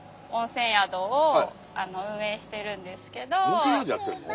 温泉宿やってるの？